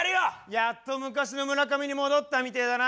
やっと昔の村上に戻ったみてえだな。